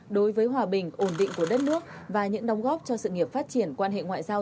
đối với hòa bình ổn định của đất nước và những đóng góp cho sự nghiệp phát triển quan hệ ngoại giao